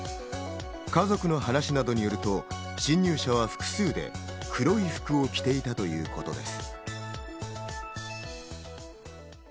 家族の話などによると、侵入者は複数で、黒い服を着ていたということです。